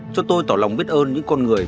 cho tôi tỏ lòng biết ơn những con người